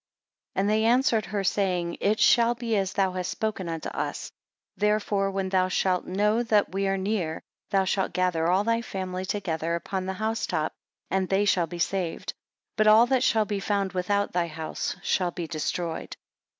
9 And they answered her, saying, It shall be as thou hast spoken unto us, Therefore, when thou shalt know that we are near, thou shalt gather all thy family together, upon the house top and they shall be saved: but all that shall be found without thy house shall be destroyed.